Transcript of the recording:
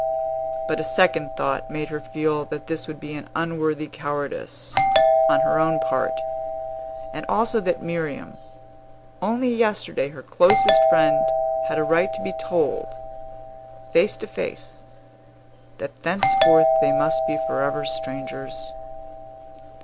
But a second thought made her feel that this would be an unworthy cowardice, on her own part, and also that Miriam only yesterday her closest friend had a right to be told, face to face, that thenceforth they must be forever strangers.